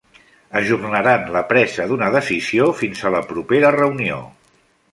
Ajornaran la presa d'una decisió fins a la propera reunió.